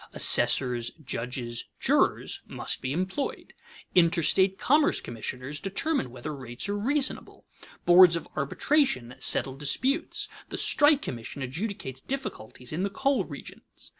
Assessors, judges, jurors, must be employed. Interstate commerce commissioners determine whether rates are reasonable, boards of arbitration settle disputes, the strike commission adjudicates difficulties in the coal regions.